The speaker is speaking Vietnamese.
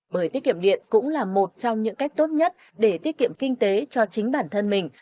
bởi tiết kiệm điện cũng là một trong những cách tốt nhất để tiết kiệm kinh tế cho chính bản thân mình